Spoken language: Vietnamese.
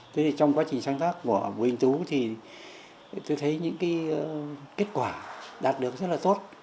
thế thì trong quá trình sáng tác của bùi đình tú thì tôi thấy những cái kết quả đạt được rất là tốt